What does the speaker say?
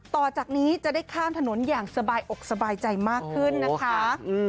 ต่อจากนี้จะได้ข้ามถนนอย่างสบายอกสบายใจมากขึ้นนะคะ